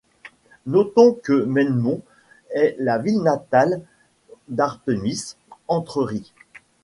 Notons que Memnon est la ville natale d'Artemis Entreri.